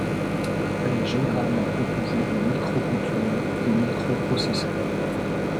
Elle est généralement composée de microcontrôleurs et microprocesseurs.